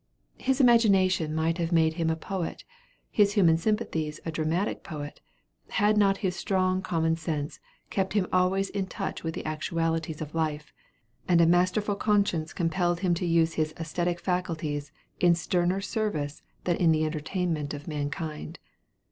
His imagination might have made him a poet, his human sympathies a dramatic poet, had not his strong common sense kept him always in touch with the actualities of life, and a masterful conscience compelled him to use his æsthetic faculties in sterner service than in the entertainment of mankind.